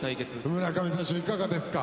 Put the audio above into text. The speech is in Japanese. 村上選手いかがですか？